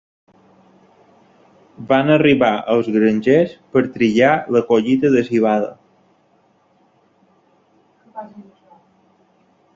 Van arribar els grangers per trillar la collita de civada.